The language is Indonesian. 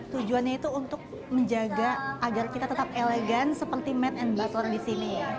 tujuannya itu untuk menjaga agar kita tetap elegan seperti maid and butler disini